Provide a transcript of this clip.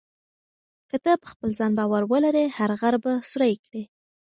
که ته په خپل ځان باور ولرې، هر غر به سوري کړې.